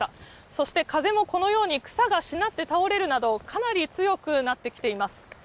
そして風もこのように、草がしなって倒れるなど、かなり強くなってきています。